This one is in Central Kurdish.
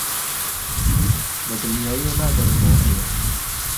بەدڵنیاییەوە ناگەڕێمەوە ئەوێ.